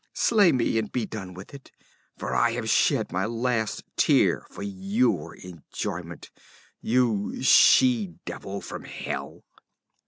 Slay me and be done with it, for I have shed my last tear for your enjoyment, you she devil from hell!'